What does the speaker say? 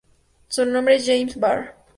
Su nombre es James Barr.